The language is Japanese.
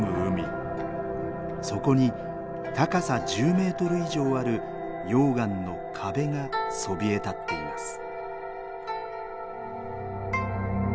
そこに高さ１０メートル以上ある溶岩の壁がそびえ立っています。